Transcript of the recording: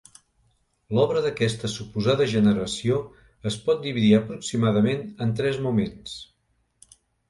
L'obra d'aquesta suposada generació es pot dividir aproximadament en tres moments.